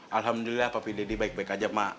alhamdulillah papi deddy baik baik aja mbak